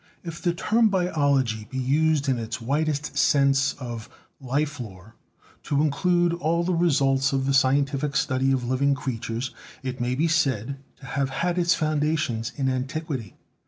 If the term biology be used in its widest sense of Life lore to include all the results of the scientific study of living creatures, it may be said to have had its foundations in antiquity.